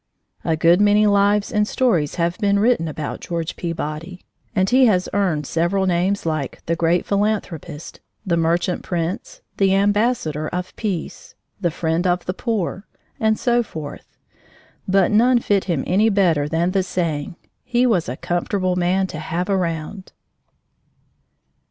A good many lives and stories have been written about George Peabody, and he has earned several names like The Great Philanthropist The Merchant Prince the Ambassador of Peace the Friend of the Poor and so forth, but none fit him any better than the saying: "He was a comfortable man to have round!"